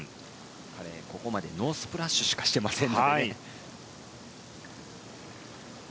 彼はここまでノースプラッシュしかしていません。